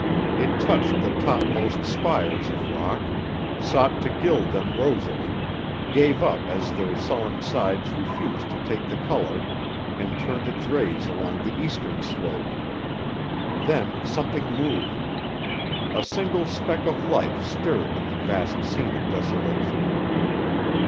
It touched the topmost spires of rock, sought to gild them rosily, gave up as their sullen sides refused to take the colour, and turned its rays along the eastern slope. Then something moved. A single speck of life stirred in the vast scene of desolation.